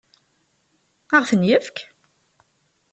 Ad ɣ-ten-yefk?